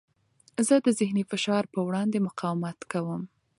زه د ذهني فشار په وړاندې مقاومت کوم.